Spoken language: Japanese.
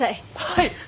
はい！